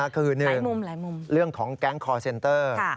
คือ๑เรื่องของแก๊งคอร์เซนเตอร์